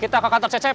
kita ke kantor cecek